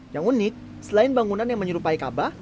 yang unik selain bangunan yang menyerupai kabah